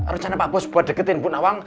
rencana pak bos buat deketin bunda awang